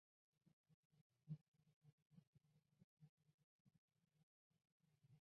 它们在制造商西门子铁路系统内部被称为。